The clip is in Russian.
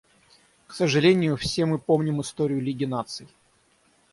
К сожалению, все мы помним историю Лиги Наций.